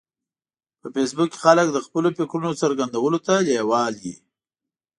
په فېسبوک کې خلک د خپلو فکرونو څرګندولو ته لیوال وي